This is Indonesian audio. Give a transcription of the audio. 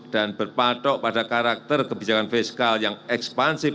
dan berpatok pada karakter kebijakan fiskal yang ekspansif